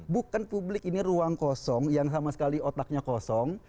bukan publik ini ruang kosong yang sama sekali otaknya kosong